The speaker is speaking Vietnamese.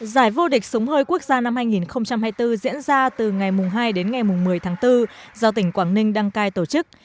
giải vô địch súng hơi quốc gia năm hai nghìn hai mươi bốn diễn ra từ ngày hai đến ngày một mươi tháng bốn do tỉnh quảng ninh đăng cai tổ chức